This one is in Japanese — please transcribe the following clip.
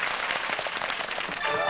さあ。